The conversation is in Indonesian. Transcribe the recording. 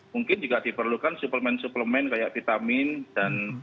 mungkin juga diperlukan suplemen suplemen kayak vitamin dan